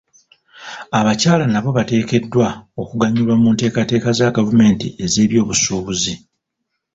Abakyala nabo bateekeddwa okuganyulwa mu nteekateeka za gavumenti ez'ebyobusuubuzi.